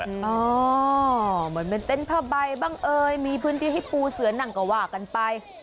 เหมือนเป็นเต็นต์ผ้าใบบ้างเอ่ยมีพื้นที่ให้ปูเสือนั่งก็ว่ากันไป